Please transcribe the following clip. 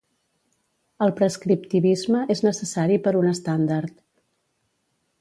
El prescriptivisme és necessari per un estàndard.